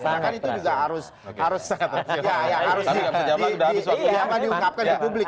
maka itu juga harus diungkapkan ke publik